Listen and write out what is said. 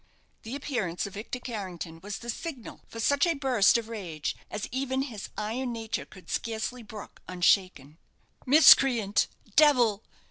The appearance of Victor Carrington was the signal for such a burst of rage as even his iron nature could scarcely brook unshaken. "Miscreant! devil!